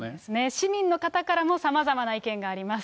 市民の方からもさまざまな意見があります。